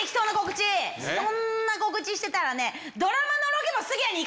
そんな告知してたらね。